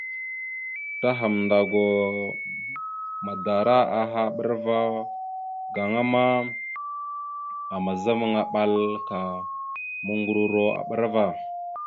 Ta Hamndagwa madara aha a ɓəra ava gaŋa ma, azamaŋa aɓal ka muŋgəruro a ɓəra ava.